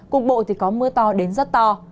cục bộ thì có mưa to đến rất to